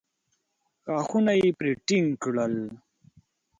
غاښونه يې پرې ټينګ کړل.